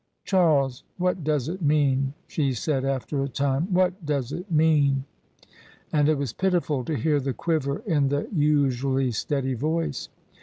Charles, what does it mean? " she said, after a time: " What does it mean? " And it was pitiful to hear the quiver in the usually steady voice.